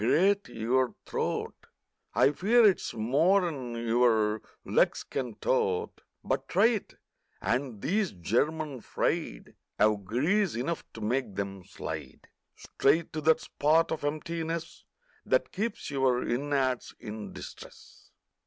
Grate your throat! I fear it's more'n your legs can tote, But try it. And these "German fried" 'Ave grease enough to make 'em slide Straight to that spot of emptiness That keeps your innards in distress!